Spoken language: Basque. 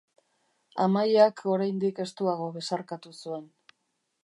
Amaiak oraindik estuago besarkatu zuen.